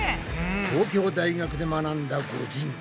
東京大学で学んだ御仁。